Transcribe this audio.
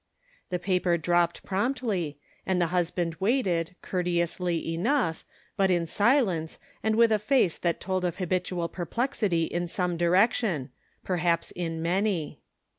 The paper dropped promptly, and the husband waited, courteously enough, but in silence, and with a face that told of habitual perplexity in some direction, perhaps in many.